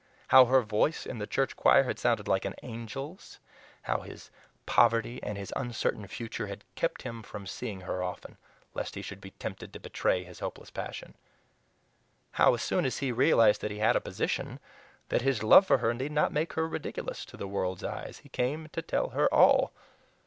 How her voice in the church choir had sounded like an angel's; how his poverty and his uncertain future had kept him from seeing her often, lest he should be tempted to betray his hopeless passion. How as soon as he realized that he had a position, that his love for her need not make her ridiculous to the world's eyes, he came to tell her ALL.